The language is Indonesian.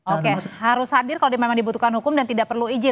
oke harus hadir kalau memang dibutuhkan hukum dan tidak perlu izin